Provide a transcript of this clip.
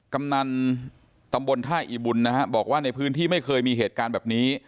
กำนันตำบลท่าอีบุญนะฮะบอกว่าในพื้นที่ไม่เคยมีเหตุการณ์แบบนี้